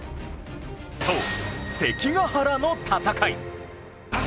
そう関ヶ原の戦い！